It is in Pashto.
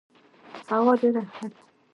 هوا ډيره ښه ده.